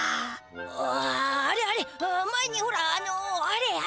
ああれあれあ前にほらあのあれあれ。